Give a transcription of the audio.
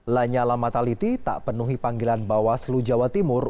lanyala mataliti tak penuhi panggilan bawaslu jawa timur